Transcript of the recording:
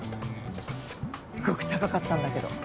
すっごく高かったんだけど。